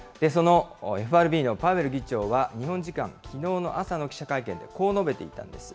そのＦＲＢのパウエル議長は、日本時間きのうの朝の記者会見でこう述べていたんです。